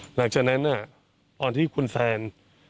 หลังจากนั้นตอนที่คุณแซน